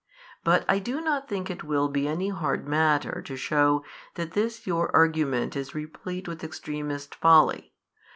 But I do not think it will be any hard matter to shew that this your argument is replete with extremest folly.